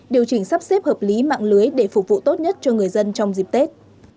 điều chỉnh sắp xếp hợp lý mạng lưới để phục vụ tốt nhất cho người dân trong dịp tết